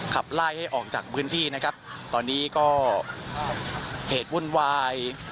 ขับไล่ให้ออกจากพื้นที่นะครับตอนนี้ก็เหตุวุ่นวาย